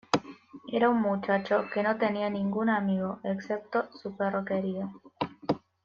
Era un muchacho que no tenía ningún amigo excepto su perro querido.